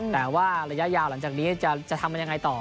แต่ว่าระยะยาวหลังจากนี้จะทำกันยังไงต่อ